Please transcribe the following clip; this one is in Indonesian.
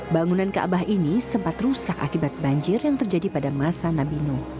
bangunan kaabah ini sempat rusak akibat banjir yang terjadi pada masa nabi nuh